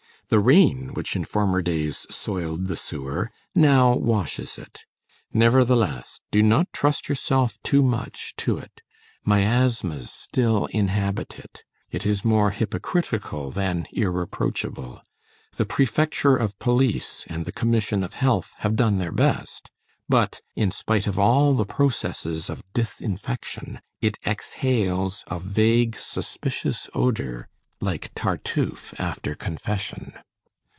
The rain, which in former days soiled the sewer, now washes it. Nevertheless, do not trust yourself too much to it. Miasmas still inhabit it. It is more hypocritical than irreproachable. The prefecture of police and the commission of health have done their best. But, in spite of all the processes of disinfection, it exhales, a vague, suspicious odor like Tartuffe after confession.